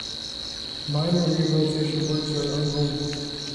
Minor rehabilitation works are ongoing.